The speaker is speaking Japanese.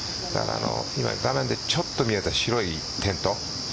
画面でちょっと見えた白いテント